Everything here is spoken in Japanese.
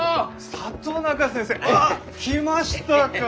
里中先生！ああ来ましたか！